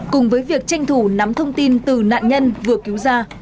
cùng với việc tranh thủ nắm thông tin từ nạn nhân vừa cứu ra